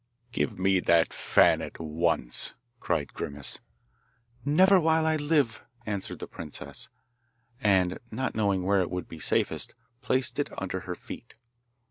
'Give me that fan at once!' cried Grimace. 'Never while I live!' answered the princess, and, not knowing where it would be safest, placed it under her feet.